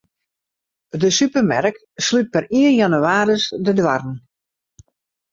De supermerk slút per ien jannewaris de doarren.